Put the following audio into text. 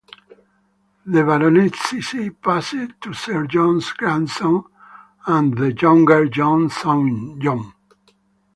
The baronetcy passed to Sir John's grandson, and the younger John's son, John.